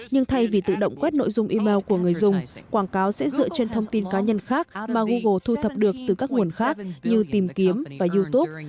nhưng thay vì tự động quét nội dung email của người dùng quảng cáo sẽ dựa trên thông tin cá nhân khác mà google thu thập được từ các nguồn khác như tìm kiếm và youtube